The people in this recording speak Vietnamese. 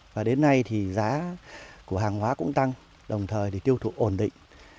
và đến nay thì giá của hàng hóa cũng tăng đồng thời tiêu thụ ổn định